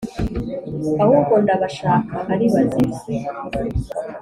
ahubwo ndabashaka ari bazima"